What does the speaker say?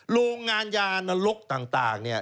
โรงงานยานรกต่างเนี่ย